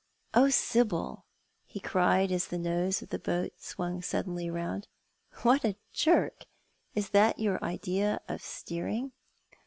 " Oh, Sibyl," he cried, as the nose of the boat swung suddenly round, " what a jerk ! Is that your idea of steering